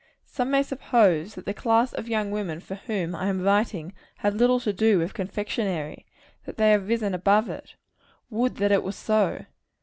Some may suppose that the class of young women for whom I am writing, have little to do with confectionary; that they have risen above it. Would that it were so!